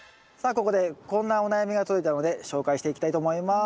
ここでこんなお悩みが届いたので紹介していきたいと思います。